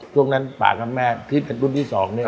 ช่วงนั้นป่ากับแม่ที่เป็นรุ่นที่สองเนี่ย